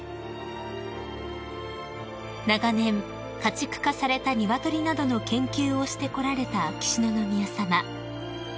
［長年家畜化された鶏などの研究をしてこられた秋篠宮さま］